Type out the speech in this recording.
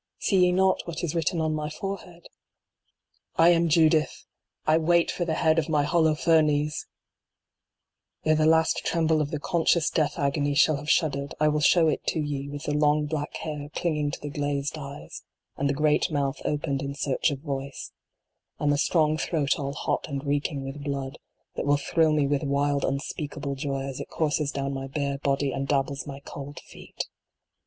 See ye not what is written on my forehead ? I am Judith ! I wait for the head of my Holofernes ! Ere the last tremble of the conscious death agony shall have shuddered, I will show it to ye with the long black hair clinging to the glazed eyes, and the great mouth opened in search of voice, and the strong throat all hot and reeking with blood, that will thrill me with wild un speakable joy as it courses down my bare body and dab bles my cold feet